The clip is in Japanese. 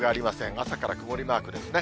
朝から曇りマークですね。